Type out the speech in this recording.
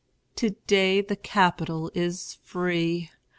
To day the Capital is free!